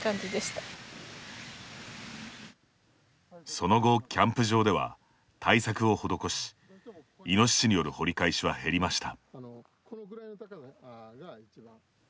その後キャンプ場では対策を施しイノシシによる掘り返しは減りました。